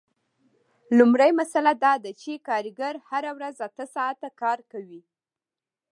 لومړۍ مسئله دا ده چې کارګر هره ورځ اته ساعته کار کوي